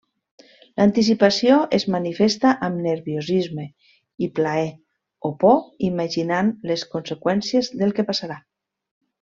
L'anticipació es manifesta amb nerviosisme i plaer o por imaginant les conseqüències del que passarà.